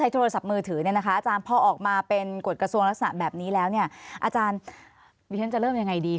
ทักษะแบบนี้แล้วเนี่ยอาจารย์วิทยันจะเริ่มยังไงดี